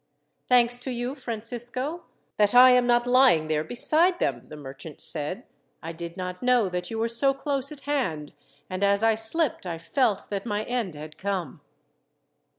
"Thanks to you, Francisco, that I am not lying there beside them," the merchant said. "I did not know that you were so close at hand, and as I slipped I felt that my end had come."